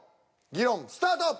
議論スタート！